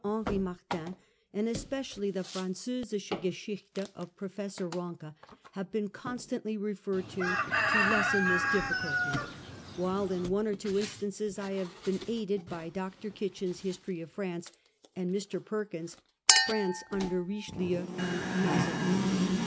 Henri Martin, and especially the 4 Franzosische Geschichte 7 of Pro fessor Ranke, have been constantly referred to, to lessen this difficulty ; while in one or two instances I have been aided by Dr. Kitchin's 4 History of France 7 and Mr. Perkins 7 s ' France under Richelieu and Mazarin.